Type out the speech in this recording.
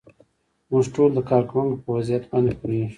موږ ټول د کارکوونکو په وضعیت باندې پوهیږو.